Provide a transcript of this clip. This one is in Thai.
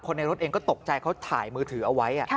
ในรถเองก็ตกใจเขาถ่ายมือถือเอาไว้